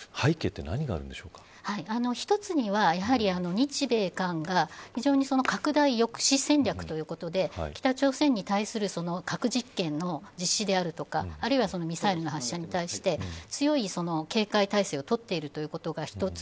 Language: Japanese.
強い挑発行為が今回繰り返されている背景って一つには、やはり日米韓が非常に拡大抑止戦略ということで北朝鮮に対する核実験の実施であるとかあるいはミサイルの発射に対して強い警戒態勢を取っているということが１つ。